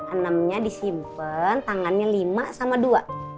enamnya disimpen tangannya lima sama dua